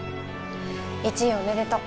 １位おめでとう。